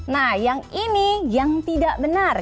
nah yang ini yang tidak benar